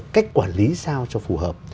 cách quản lý sao cho phù hợp